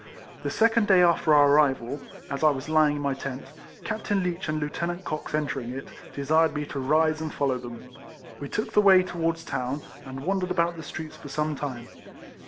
The second day after our arrival, as I was lying in my tent, Captain Leech and Lieutenant Cox entering it, desired me to rise and follow them. We took the way towards the town, and wandered about the streets for some time.